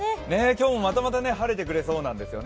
今日、またまた晴れてくれそうです。